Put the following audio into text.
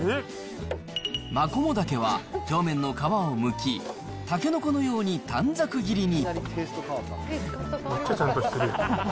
マコモダケは、表面の皮をむき、タケノコのように短冊切りに。